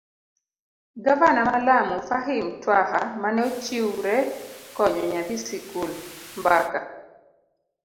gavana ma Lamu, Fahim Twaha mane ochiwre konyo nyathi sikul. mbaka